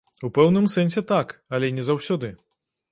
У пэўным сэнсе так, але не заўсёды.